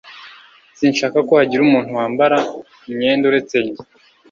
Sinshaka ko hagira umuntu wambara imyenda uretse njye.